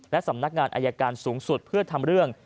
และสำนักงานอายการสูงสุดเพื่อทำเรื่อง